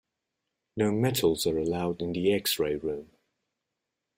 No metals are allowed in the x-ray room.